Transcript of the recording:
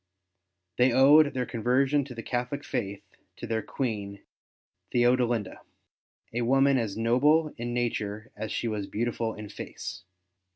They owed their conversion to the Catholic faith to their Queen Theodelinda, a woman as noble in nature as she was beautiful in face.